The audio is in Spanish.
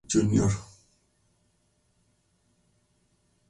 Martin continuó su entrenamiento con Dory Funk Jr.